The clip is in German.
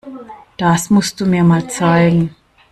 Das musst du mir mal zeigen.